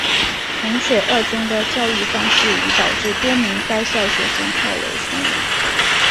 衡水二中的教育方式已导致多名该校学生跳楼身亡。